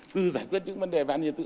từ giải quyết những vấn đề vạn nhân tự